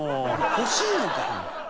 欲しいのか。